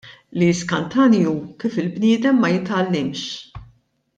Li jiskantani hu kif il-bniedem ma jitgħallimx.